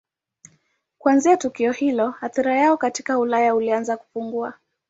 Kuanzia tukio hilo athira yao katika Ulaya ilianza kupungua.